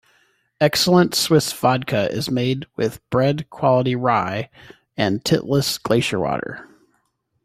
Xellent Swiss vodka is made with bread quality rye and Titlis Glacier Water.